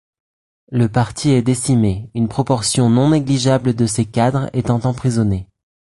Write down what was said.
Le parti est décimé, une proportion non négligeable de ses cadres étant emprisonnée.